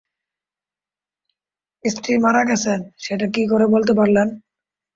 স্ত্রী মারা গেছেন, সেটা কী করে বলতে পারলেন?